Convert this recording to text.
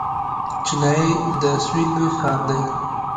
چنای د سویل لوی ښار دی.